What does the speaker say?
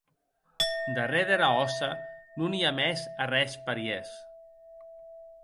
Darrèr dera hòssa non i a mès arrens parièrs.